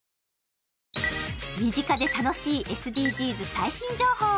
身近で楽しいＳＤＧｓ最新情報。